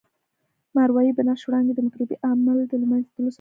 ماورای بنفش وړانګې د مکروبي عامل د له منځه تلو سبب کیږي.